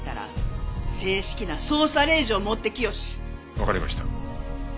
わかりました。